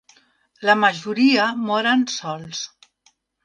La majoria moren sols.